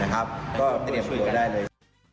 ก็เตรียมช่วยได้เลย